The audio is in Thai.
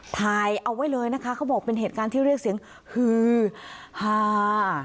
ถ่ายเอาไว้เลยนะคะเขาบอกเป็นเหตุการณ์ที่เรียกเสียงฮือฮา